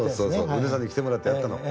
宇根さんに来てもらってやったの。